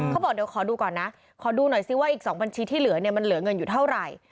เขาบอกเดี๋ยวขอดูก่อนนะขอดูหน่อยซิว่าอีก๒บัญชีที่เหลือเนี่ยมันเหลือเงินอยู่เท่าไหร่